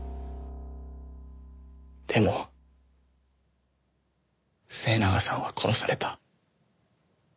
でも末永さんは殺された。